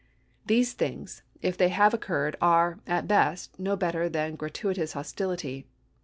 These things, if they have occurred, are, at the best, no better than gra tuitous hostility.